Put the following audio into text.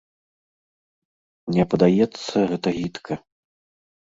Мне падаецца, гэта гідка.